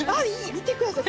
見てください！